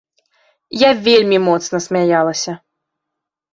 Я вельмі моцна смяялася.